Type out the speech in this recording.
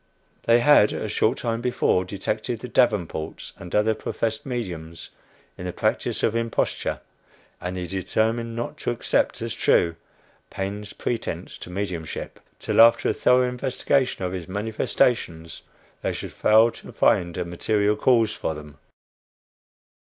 They had, a short time before, detected the Davenports and other professed mediums in the practice of imposture; and they determined not to accept, as true, Paine's pretence to mediumship, till after a thorough investigation of his "manifestations," they should fail to find a material cause for them.